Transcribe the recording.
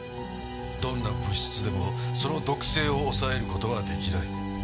どんな物質でもその毒性を抑える事は出来ない。